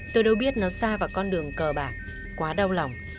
tôi đâu biết nó xa vào con đường cờ bạc quá đau lòng